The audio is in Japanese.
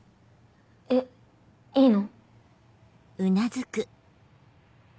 えっいいの？